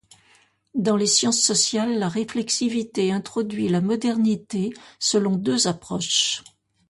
Dans les sciences sociales, la réflexivité introduit la modernité selon deux approches.